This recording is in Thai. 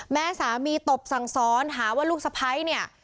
สามีตบสั่งซ้อนหาว่าลูกสะพ้ายเนี่ย